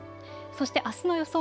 そしてあすの予想